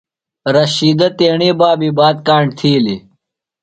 رشیدہ تیݨی بابیۡ بات کاݨ تِھیلیۡ ۔